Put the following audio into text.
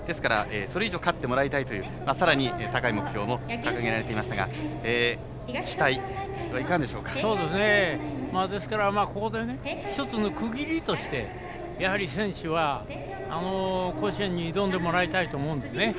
それ以上勝ってもらいたいというさらに高い目標も掲げられていましたがここで一つの区切りとして選手は、甲子園に挑んでもらいたいと思うんですね。